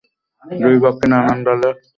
দুই পক্ষে নালার দখল লইয়া আদালতে হাজির।